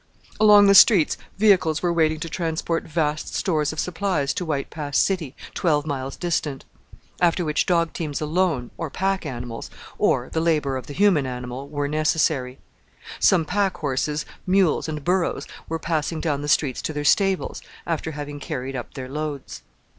Along the streets vehicles were waiting to transport vast stores of supplies to White Pass City, twelve miles distant; after which dog teams alone, or pack animals, or the labour of the human animal, were necessary. Some pack horses, mules, and burroes were passing down the streets to their stables, after having carried up their loads.